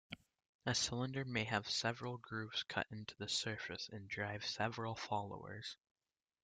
A cylinder may have several grooves cut into the surface and drive several followers.